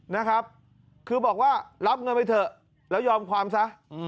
นะครับคือบอกว่ารับเงินไปเถอะแล้วยอมความซะ